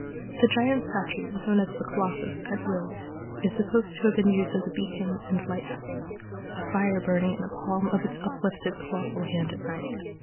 The giant statue known as the Colossus, at Rhodes, is supposed to have been used as a beacon and lighthouse, a fire burning in the palm of its uplifted colossal hand at night.